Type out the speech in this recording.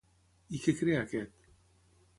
I què crea aquest?